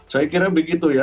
saya kira begitu ya